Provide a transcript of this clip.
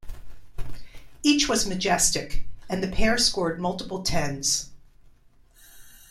Each was majestic, and the pair scored multiple tens.